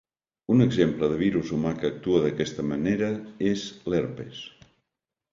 Un exemple de virus humà que actua d'aquesta manera, és l'herpes.